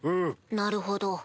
なるほど。